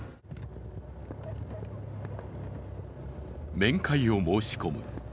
面会を申し込む。